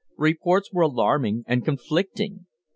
Reports were alarming and conflicting.